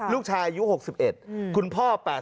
ลูกชายอายุ๖๑คุณพ่อ๘๐